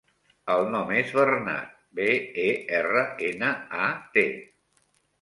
El nom és Bernat: be, e, erra, ena, a, te.